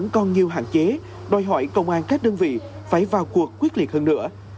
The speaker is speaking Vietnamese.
còn nhiều hạn chế đòi hỏi công an các đơn vị phải vào cuộc quyết liệt hơn nữa